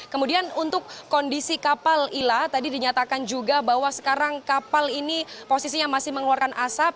kemudian untuk kondisi kapal ila tadi dinyatakan juga bahwa sekarang kapal ini posisinya masih mengeluarkan asap